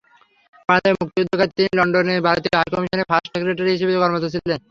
বাংলাদেশের মুক্তিযুদ্ধকালে তিনি লন্ডনে ভারতীয় হাইকমিশনের ফার্স্ট সেক্রেটারি হিসেবে কর্মরত ছিলেন।